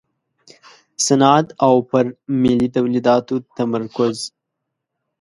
صنعت او پر ملي تولیداتو تمرکز.